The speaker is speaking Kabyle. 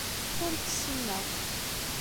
Ur tt-ssineɣ.